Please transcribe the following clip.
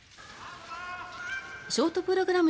ショートプログラム